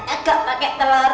ega pake telur